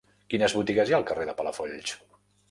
Quines botigues hi ha al carrer de Palafolls?